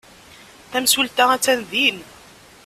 Tamsulta attan din.